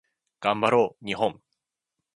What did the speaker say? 頑張ろう日本